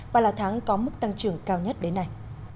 và là tháng có mức tăng trưởng cao nhất đến nay